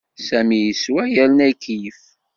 Sami yeswa yerna ikeyyef.